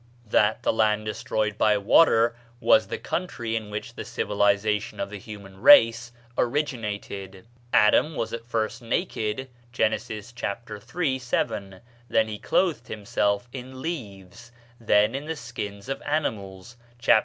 That the land destroyed by water was the country in which the civilization of the human race originated. Adam was at first naked (Gen., chap. iii., 7); then he clothed himself in leaves; then in the skins of animals (chap.